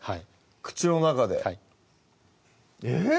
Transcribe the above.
口の中ではいえっ？